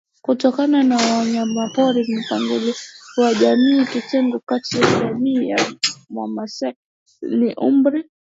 kutokana na wanyamaporiMpangilio wa jamii Kitengo kati ya jamii ya Wamasai ni umri